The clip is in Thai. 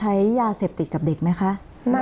เมื่อกลัวใช้ยาเสพติดกับเด็กนะคะ